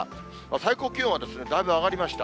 最高気温はだいぶ上がりました。